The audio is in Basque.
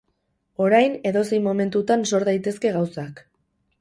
Orain, edozein momentutan sortu daitezke gauzak.